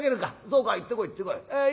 そうか行ってこい行ってこい。